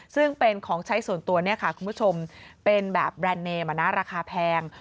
ซึ่งเป็นของใช้ส่วนตัวเนี่ยค่ะคุณผู้ชมเป็นแบบแบรนด์เนมราคาแพง